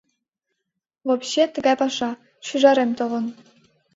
Вобщем, тыгай паша: шӱжарем толын.